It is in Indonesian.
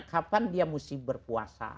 kapan dia mesti berpuasa